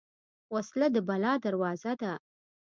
وسله د بلا دروازه ده